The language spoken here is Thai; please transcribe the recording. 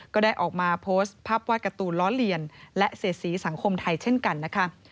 ก็ได้ออกมาโพสต์ภาพวาดการ์ตูนล้อเลียนและเสียดสีสังคมไทยเช่นกันนะคะ